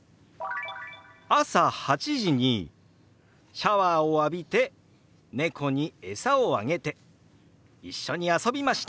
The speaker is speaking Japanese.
「朝８時にシャワーを浴びて猫にえさをあげて一緒に遊びました。